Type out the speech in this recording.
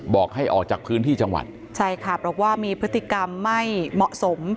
บอกให้ออกจากพื้นที่จังหวัดใช่ค่ะเพราะว่ามีพฤติกรรมไม่เหมาะสม